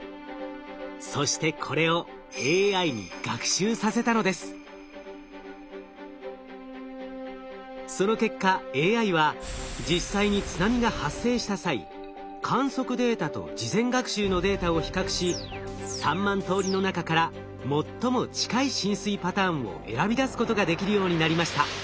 そしてこれをその結果ＡＩは実際に津波が発生した際観測データと事前学習のデータを比較し３万通りの中から最も近い浸水パターンを選び出すことができるようになりました。